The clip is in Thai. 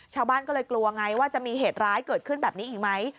ชาวบ้านก็เลยกลัวไงว่าจะมีเหตุร้ายเกิดขึ้นแบบนี้อีกไหม